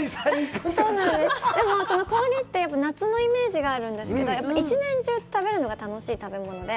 かき氷って夏のイメージがあるんですけど、やっぱり１年中食べるのが楽しい食べ物で。